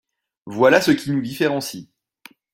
Voilà ce qui nous différencie.